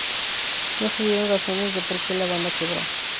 No se dieron razones de porque la banda quebró.